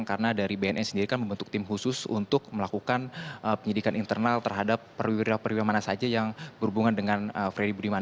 karena dari bnn sendiri kan membentuk tim khusus untuk melakukan penyidikan internal terhadap perwira perwira mana saja yang berhubungan dengan freddy budiman